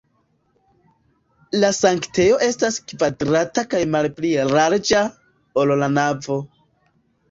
La sanktejo estas kvadrata kaj malpli larĝa, ol la navo.